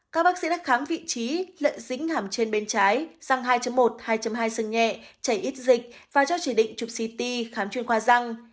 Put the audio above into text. các bác sĩ đã kháng vị trí lợn dính hàm trên bên trái răng hai một hai hai sưng nhẹ chảy ít dịch và cho chỉ định chụp ct khám chuyên khoa răng